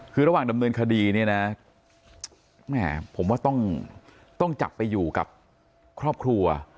คือระหว่างดำเนินคดีเนี่ยนะแม่ผมว่าต้องจับไปอยู่กับครอบครัว